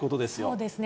そうですね。